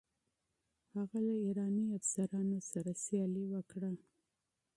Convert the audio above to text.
هغه له ایراني افسرانو سره مقابله وکړه.